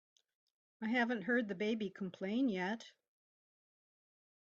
I haven't heard the baby complain yet.